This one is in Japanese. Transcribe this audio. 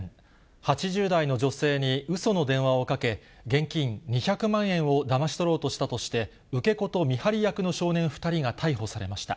８０代の女性にうその電話をかけ、現金２００万円をだまし取ろうとしたとして、受け子と見張り役の少年２人が逮捕されました。